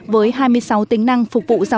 với hai mươi sáu tính năng phục vụ doanh nghiệp